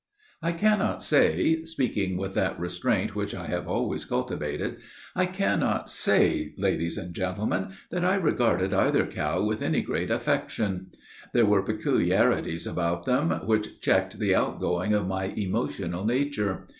"I cannot say, speaking with that restraint which I have always cultivated, I cannot say, ladies and gentlemen, that I regarded either cow with any great affection. There were peculiarities about them, which checked the outgoing of my emotional nature.